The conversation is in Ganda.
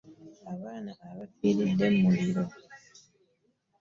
Abaana bafiridde mu muliro.